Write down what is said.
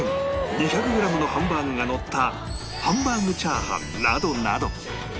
２００グラムのハンバーグがのったハンバーグチャーハンなどなど